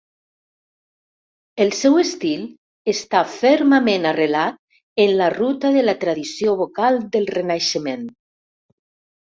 El seu estil està fermament arrelat en la ruta de la tradició vocal del Renaixement.